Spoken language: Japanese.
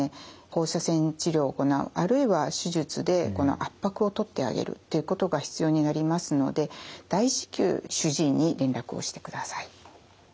放射線治療を行うあるいは手術で圧迫をとってあげるっていうことが必要になりますので大至急主治医に連絡をしてください。